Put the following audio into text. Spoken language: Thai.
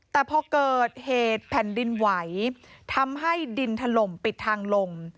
แต่พอเกิดเหตุแผ่นดินไหวทำให้ดินถล่มปิดทางลง